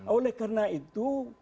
oleh karena itu